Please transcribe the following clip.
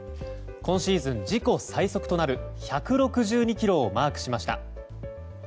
今シーズン自己最速となる１６２キロをマークしました。